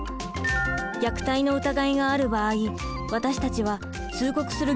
虐待の疑いがある場合私たちは通告する義務を負っています。